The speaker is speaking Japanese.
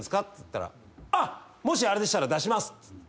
っつったら「あっもしあれでしたら出します」